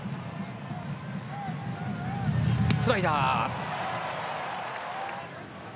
スライダー。